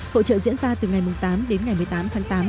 hội trợ diễn ra từ ngày tám đến ngày một mươi tám tháng tám